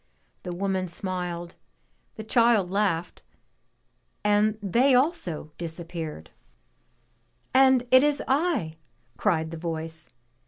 The woman if smiled, the child laughed, and they also disappeared. And it is I!" cried the voice.